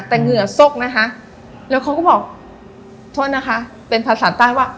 แต่เหงื่อซกนะคะแล้วเขาก็บอกโทษนะคะเป็นภาษาใต้ว่า